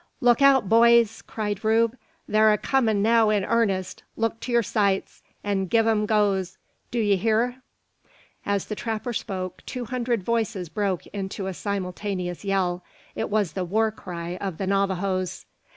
"Look out, boyees!" cried Rube; "thur a comin' now in airnest. Look to yur sights, and give 'em gos; do 'ee hear?" As the trapper spoke, two hundred voices broke into a simultaneous yell. It was the war cry of the Navajoes!